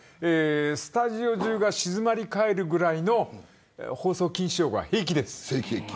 スタジオ中が静まりかえるぐらいの放送禁止用語は平気です。